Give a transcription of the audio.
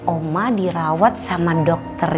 om dirawat sama dokter